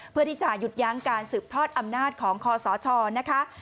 เพื่อที่จะหยุดยั้งการสืบทอดอำนาจของคอสชนะคะ